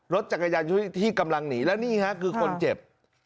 รถจักรยานยนต์ที่กำลังหนีแล้วนี่ฮะคือคนเจ็บ